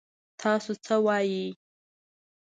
تاسو څه وايي ؟